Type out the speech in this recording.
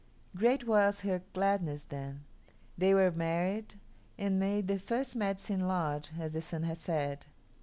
Great was her gladness then. They were married and made the first Medicine Lodge, as the Sun had said.